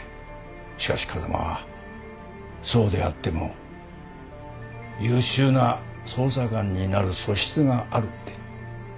しかし風間はそうであっても優秀な捜査官になる素質があるって。